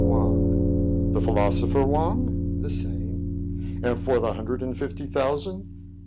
"Wang." " The philosopher Wang ?" "The same." "And for the hundred and fifty thousand?"